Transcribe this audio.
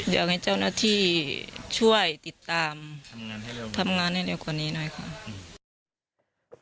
อยากให้เจ้าหน้าที่ช่วยติดตามทำงานให้เร็วกว่านี้หน่อยค่ะอืม